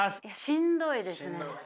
しんどいですね。